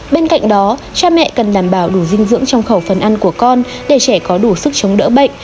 bên cạnh đó cha mẹ cần đảm bảo đủ dinh dưỡng trong khẩu phần ăn của con để trẻ có đủ sức chống đỡ bệnh